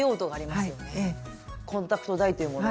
コンタクトダイというもの